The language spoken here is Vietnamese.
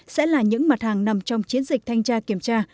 sẽ là những mặt hàng nằm trong chiến dịch thanh tra kiểm tra